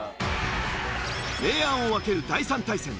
明暗を分ける第３対戦。